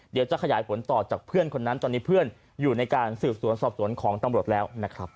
เดี๋ยวจะขยายผลต่อจากเพื่อนคนนั้นตอนนี้เพื่อนอยู่ในการสืบสวนสอบสวนของตำรวจแล้วนะครับ